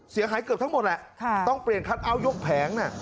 เสียหายเกือบทั้งหมดแหละต้องเปลี่ยนคัทเอาท์ยกแผง